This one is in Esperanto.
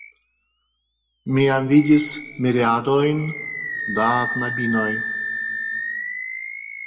Mi jam vidis miriadojn da knabinoj.